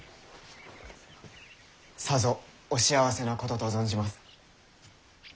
さぞお幸せなことと存じます。